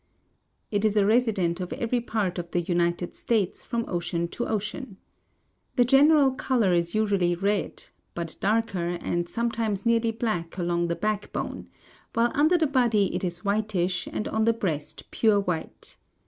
It is a resident of every part of the United States from ocean to ocean. The general color is usually red, but darker, and sometimes nearly black along the backbone, while under the body it is whitish and on the breast pure white.